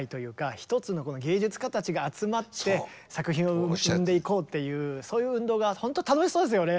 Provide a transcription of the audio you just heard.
一つの芸術家たちが集まって作品を生んでいこうっていうそういう運動がほんと楽しそうですよね。